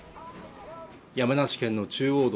山梨県の中央道